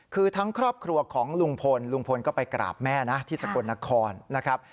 คือทั้งครอบครัวของลุงพลลุงพลก็ไปกราบแม่นะที่สกลนครนะครับ